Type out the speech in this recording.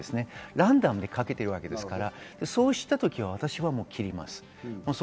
ランダムにかけているわけですから、そうしたときは私は切ります。